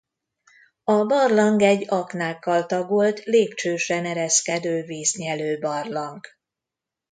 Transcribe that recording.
A barlang egy aknákkal tagolt lépcsősen ereszkedő víznyelőbarlang.